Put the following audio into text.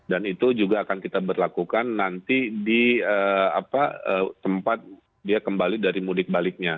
dan itu juga akan kita berlakukan nanti di tempat dia kembali dari mudik baliknya